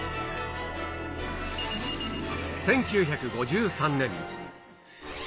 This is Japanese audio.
１９５３年。